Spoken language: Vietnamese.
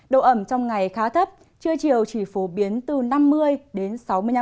độ ẩm trong ngày khá thấp chưa chiều chỉ phổ biến từ năm mươi đến sáu mươi năm